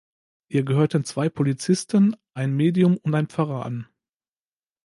Ihr gehörten zwei Polizisten, ein Medium und ein Pfarrer an.